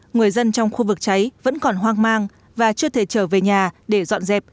người dân trong khu vực cháy vẫn còn hoang mang và chưa thể trở về nhà để dọn dẹp